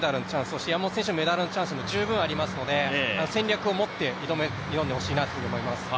そして山本選手もメダルのチャンス十分ありますので、戦略をもって挑んでほしいなと思います。